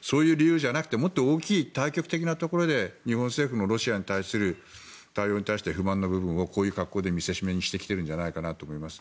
そういう理由じゃなくてもっと大きい、大局的なところで日本政府もロシアに対する対応に対して不満の部分をこういう格好で見せしめにしているんじゃないかと思います。